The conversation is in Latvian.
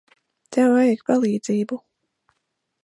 Tev vajag palīdzību.